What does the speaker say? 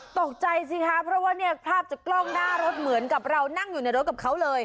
ตกใจสิคะเพราะว่าเนี่ยภาพจากกล้องหน้ารถเหมือนกับเรานั่งอยู่ในรถกับเขาเลย